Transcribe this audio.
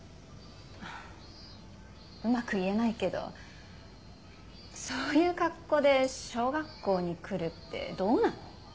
うまく言えないけどそういう格好で小学校に来るってどうなの？